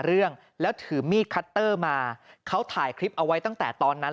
เรื่องแล้วถือมีดคัตเตอร์มาเขาถ่ายคลิปเอาไว้ตั้งแต่ตอนนั้น